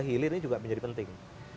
hilir ini juga menjadi penting